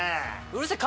うるせぇ！